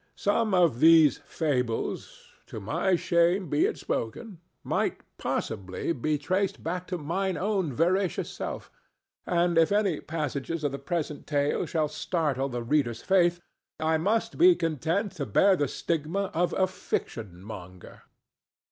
Some of these fables—to my shame be it spoken—might possibly be traced back to mine own veracious self; and if any passages of the present tale should startle the reader's faith, I must be content to bear the stigma of a fiction monger.